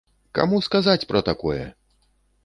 Каму сказаць пра такое?